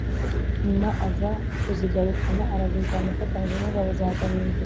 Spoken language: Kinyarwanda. nyuma aza kuzigarukana arazirwanya afatanije n’ ingabo za Gahindiro